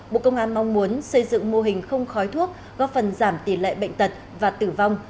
bộ công an mong muốn xây dựng mô hình không khói thuốc góp phần giảm tỷ lệ bệnh tật và tử vong